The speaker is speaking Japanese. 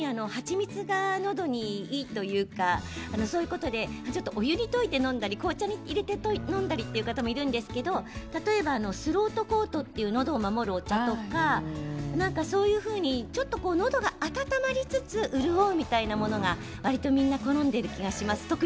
やっぱり蜂蜜はのどにいいというかそういうことでお湯に溶いて飲んだり紅茶に溶いて飲んだりする方もいるんですけれど例えば、スロートコートというのどを守るお茶がちょっとのどが温まりつつ潤うみたいなものがわりとみんな好んでいる気がします。